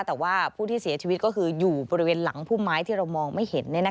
แต่ว่าผู้ที่เสียชีวิตก็คืออยู่บริเวณหลังพุ่มไม้ที่เรามองไม่เห็น